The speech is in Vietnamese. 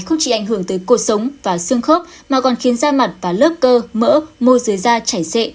không chỉ ảnh hưởng tới cuộc sống và xương khớp mà còn khiến da mặt và lớp cơ mỡ môi dưới da chảy xệ